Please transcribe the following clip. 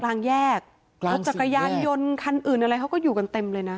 กลางแยกครับรถจักรยานยนต์คันอื่นอะไรเขาก็อยู่กันเต็มเลยนะ